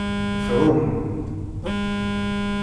Tɛum.